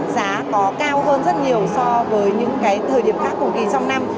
giá có cao hơn rất nhiều so với những thời điểm khác cùng kỳ trong năm